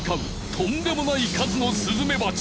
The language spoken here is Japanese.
とんでもない数のスズメバチ。